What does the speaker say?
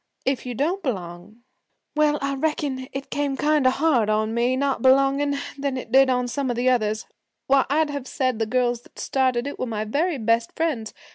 If you don't belong well, I reckon it came kinder harder on me, not belonging, than it did on some of the others. Why, I'd have said the girls that started it were my very best friends.